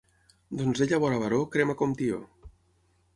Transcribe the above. Donzella vora baró crema com tió.